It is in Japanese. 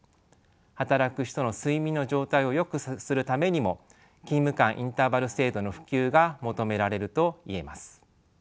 働く人の睡眠の状態をよくするためにも勤務間インターバル制度の普及が求められると言えます。